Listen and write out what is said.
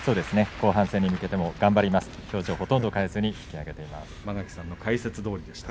後半戦に向けても頑張りますと表情をほとんど変えずに言っていました。